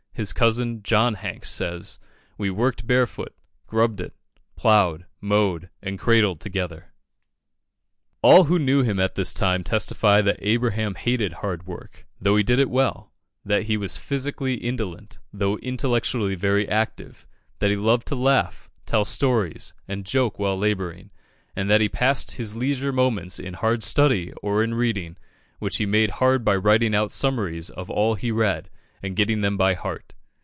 His cousin, John Hanks, says "We worked barefoot, grubbed it, ploughed, mowed, and cradled together." All who knew him at this time testify that Abraham hated hard work, though he did it well that he was physically indolent, though intellectually very active that he loved to laugh, tell stories, and joke while labouring and that he passed his leisure moments in hard study or in reading, which he made hard by writing out summaries of all he read, and getting them by heart.